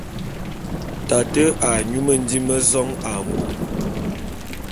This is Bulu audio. Tate a nyú mendím mé zong ā mbong.